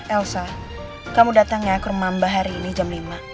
elsa kamu datang ya ke rumahmba hari ini jam lima